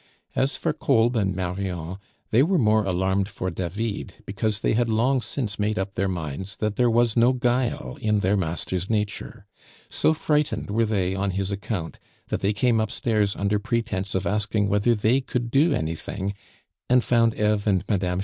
As for Kolb and Marion, they were more alarmed for David because they had long since made up their minds that there was no guile in their master's nature; so frightened were they on his account, that they came upstairs under pretence of asking whether they could do anything, and found Eve and Mme.